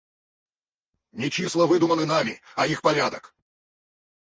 Не числа выдуманы нами, а их порядок.